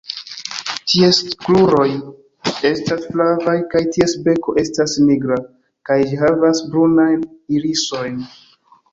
Ties kruroj estas flavaj, kaj ties beko estas nigra, kaj ĝi havas brunajn irisojn.